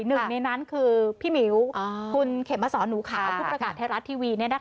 หนึ่งในนั้นคือพี่หมิวคุณเข็มมาสอนลูกค้าผู้ประกาศแท้รัฐทีวี